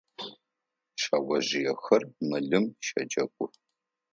Шъэожъыехэр мылым щэджэгух.